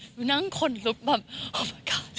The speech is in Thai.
หนูนั่งขนลุกแบบโอ้มายก๊อด